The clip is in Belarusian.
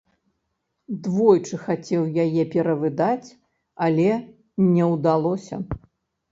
Двойчы хацеў яе перавыдаць, але не ўдалося.